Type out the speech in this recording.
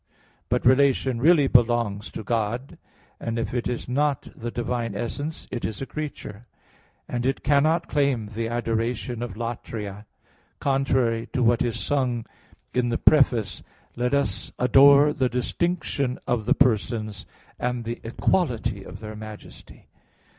But relation really belongs to God; and if it is not the divine essence, it is a creature; and it cannot claim the adoration of latria; contrary to what is sung in the Preface: "Let us adore the distinction of the Persons, and the equality of their Majesty."